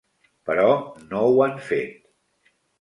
Però no ho han fet.